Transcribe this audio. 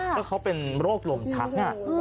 ถ้าเค้าเป็นโรคลงทักน่ะ